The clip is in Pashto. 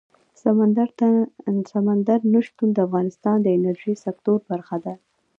سمندر نه شتون د افغانستان د انرژۍ سکتور برخه ده.